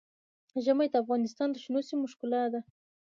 ژمی د افغانستان د شنو سیمو ښکلا ده.